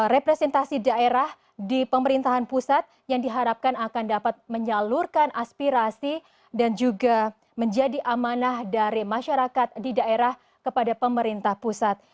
representasi daerah di pemerintahan pusat yang diharapkan akan dapat menyalurkan aspirasi dan juga menjadi amanah dari masyarakat di daerah kepada pemerintah pusat